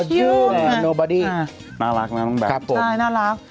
แต่อยากให้น้องทำงานที่ไทยด้วยน่ารัก